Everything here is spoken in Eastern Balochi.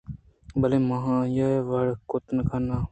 بلئے من آئی ءِ وڑا کُت نہ کناں